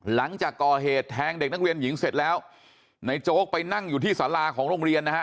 หลังจากก่อเหตุแทงเด็กนักเรียนหญิงเสร็จแล้วในโจ๊กไปนั่งอยู่ที่สาราของโรงเรียนนะฮะ